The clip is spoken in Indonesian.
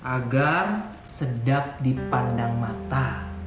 agar sedap dipandang mata